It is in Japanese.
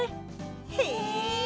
へえ！